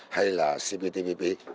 hay là cptpp